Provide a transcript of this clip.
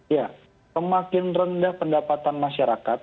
ya semakin rendah pendapatan masyarakat